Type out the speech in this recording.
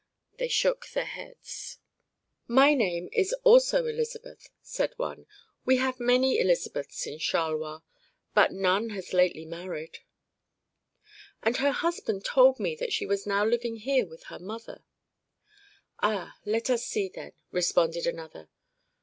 '" They shook their heads. "My name is also Elizabeth," said one. "We have many Elizabeths in Charleroi, but none has lately married." "And her husband told me that she was now living here with her mother." "Ah, let us see, then," responded another.